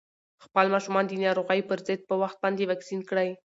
خپل ماشومان د ناروغیو پر ضد په وخت باندې واکسین کړئ.